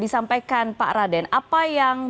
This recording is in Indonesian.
disampaikan pak raden apa yang